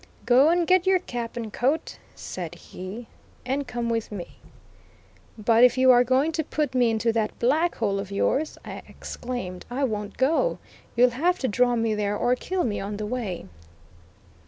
"Go and get your cap and coat," said he "and come with me." "But if you are going to put me into that black hole of yours," I exclaimed, "I won't go; you'll have to draw me there or kill me on the way."